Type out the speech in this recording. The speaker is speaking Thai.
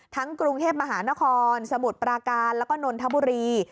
กรุงเทพมหานครสมุทรปราการแล้วก็นนทบุรี